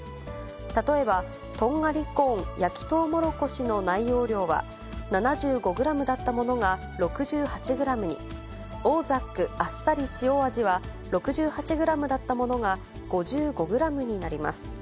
例えば、とんがりコーン焼とうもろこしの内容量は７５グラムだったものが６８グラムに、オー・ザックあっさり塩味は６８グラムだったものが５５グラムになります。